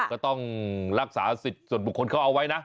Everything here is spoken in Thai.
ก็ต้องรักษาสิทธิ์ส่วนบุคคลเขาเอาไว้นะ